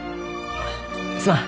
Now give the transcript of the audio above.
すまん。